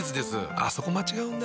あっそこ間違うんだ。